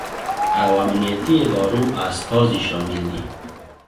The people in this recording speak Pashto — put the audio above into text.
او امنیتي ادارو استازي شامل دي